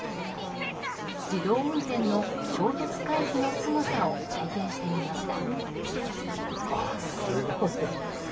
自動運転の衝突回避のすごさを体験してみました。